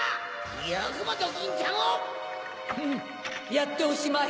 やっておしまい。